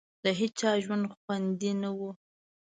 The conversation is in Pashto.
د هېچا ژوند خوندي نه وو.